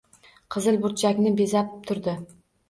«Qizil burchak»ni bezab turdi.